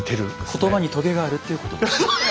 言葉にとげがあるということですか。